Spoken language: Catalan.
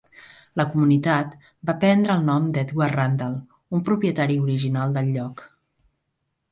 La comunitat va prendre el nom d'Edward Randall, un propietari original del lloc.